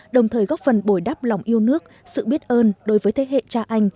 đồng thời góp phần bồi đắp lòng yêu nước sự biết ơn đối với thế hệ cha anh